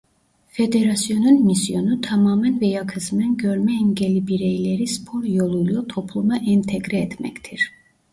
Federasyon'un misyonu tamamen veya kısmen görme engelli bireyleri spor yoluyla topluma entegre etmektir.